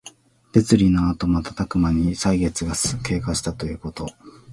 別離のあとまたたくまに歳月が経過したということ。